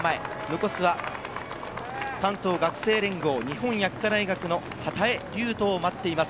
残すは関東学生連合、日本薬科大学の波多江隆人を待っています。